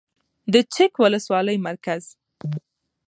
د چک ولسوالۍ مرکز